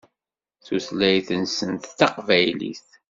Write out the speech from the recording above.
Tutlayt-nsent d taqbaylit.